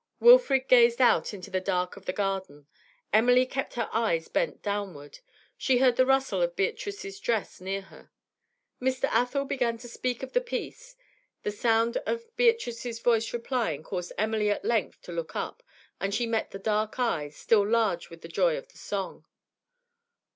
Wilfrid gazed out into the dark of the garden; Emily kept her eyes bent downward. She heard the rustle of Beatrice's dress near her. Mr. Athel began to speak of the piece the sound of Beatrice's voice replying caused Emily at length to look up, and she met the dark eyes, still large with the joy of song.